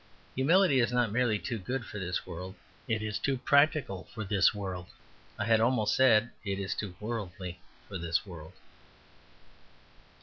Humility is not merely too good for this world; it is too practical for this world; I had almost said it is too worldly for this world.